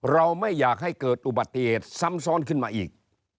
เราไม่อยากให้เกิดอุบัติเหตุซ้ำซ้อนขึ้นมาอีก